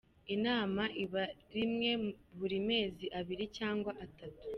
Inama iba rimwe buri mezi abiri cyangwa atatu.